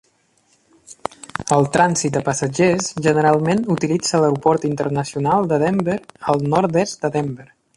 El trànsit de passatgers generalment utilitza l'Aeroport Internacional de Denver, al nord-est de Denver.